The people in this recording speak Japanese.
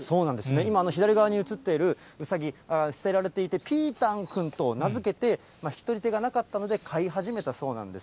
今、左側に写っているうさぎ、捨てられていて、ピータンくんと名付けて、引き取り手がなかったので、飼い始めたそうなんです。